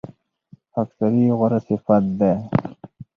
خاکساري غوره صفت دی.